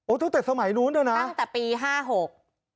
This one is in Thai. ตั้งแต่สมัยนู้นด้วยนะตั้งแต่ปีห้าหก